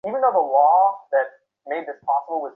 সে ঘুমুতে চায় না, জেগে থাকতে চায়।